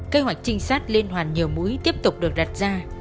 kế hoạch trinh sát liên hoàn nhiều mũi tiếp tục được đặt ra